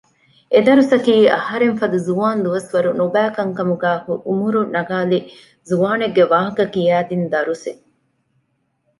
އެ ދަރުސަކީ އަހަރެންފަދަ ޒުވާންދުވަސް ވަރު ނުބައި ކަންކަމުގައި އުމުރު ނަގައިލި ޒުވާނެއްގެ ވާހަކަ ކިޔައިދިން ދަރުސެއް